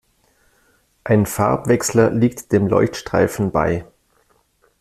Ein Farbwechsler liegt dem Leuchtstreifen bei.